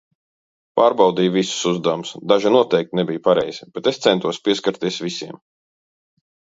Pārbaudīju visus uzdevumus. Daži noteikti nebija pareizi, bet es centos pieskarties visiem.